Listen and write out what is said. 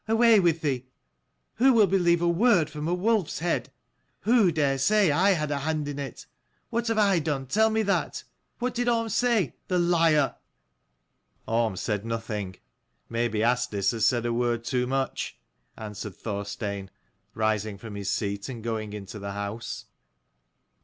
Away with thee ! who will believe a word from a wolfs head ? Who dare say I had a hand in it ? What have I done, tell me that ? What did Orm say, the liar?" " Orm said nothing. Maybe Asdis has said a word too much," answered Thorstein, rising from his seat and going into the house.